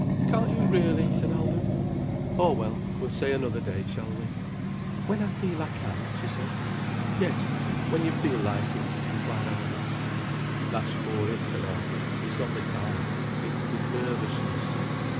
"Can't you really!" said Albert. "Oh well, we'll say another day, shall we?" "When I feel I can," she said. "Yes, when you feel like it," replied Albert. "That's more it," said Arthur. "It's not the time. It's the nervousness."